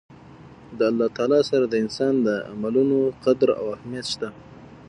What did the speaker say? د الله تعالی سره د انسان د عملونو قدر او اهميت شته